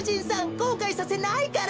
こうかいさせないから。